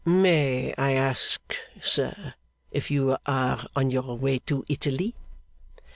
'May I ask, sir, if you are on your way to Italy?